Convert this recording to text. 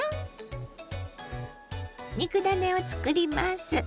肉ダネをつくります。